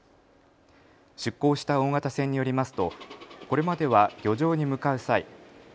出港した大型船によりますとこれまでは漁場に向かう際